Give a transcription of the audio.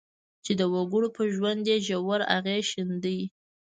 چې د وګړو پر ژوند یې ژور اغېز ښندي.